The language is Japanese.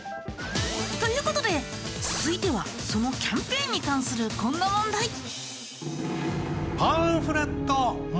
という事で続いてはそのキャンペーンに関するこんな問題。